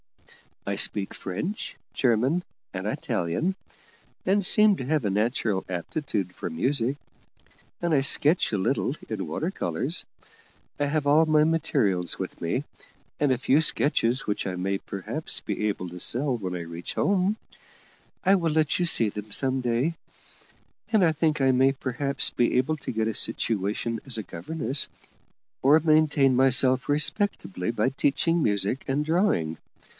I speak French, German, and Italian, and seem to have a natural aptitude for music; and I sketch a little in water colours. I have all my materials with me, and a few sketches which I may perhaps be able to sell when I reach home I will let you see them some day and I think I may perhaps be able to get a situation as governess, or maintain myself respectably by teaching music and drawing.